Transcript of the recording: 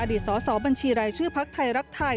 อดีตสอบบัญชีรายชื่อพรรคไทยรักไทย